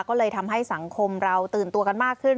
ก็เลยทำให้สังคมเราตื่นตัวกันมากขึ้น